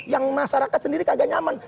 yang masyarakat sendiri kagak nyaman